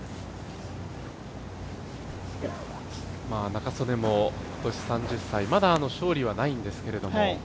仲宗根も今年３０歳まだ勝利はないんですけども。